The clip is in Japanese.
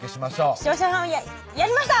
視聴者さんやりました！